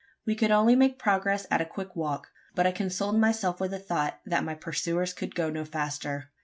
We could only make progress at a quick walk; but I consoled myself with the thought that my pursuers could go no faster.